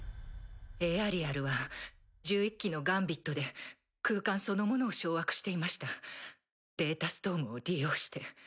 エアリアルは１１基のガンビットで空間そのものを掌握していましたデータストームを利用して。